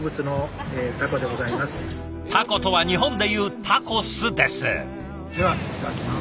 タコとは日本でいうタコスです。